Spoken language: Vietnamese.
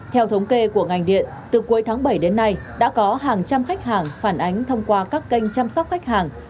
theo thống kê của ngành điện từ cuối tháng bảy đến nay đã có hàng trăm khách hàng phản ánh thông qua các kênh chăm sóc khách hàng